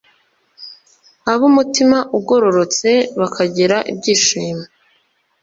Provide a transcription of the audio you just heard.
ab’umutima ugororotse bakagira ibyishimo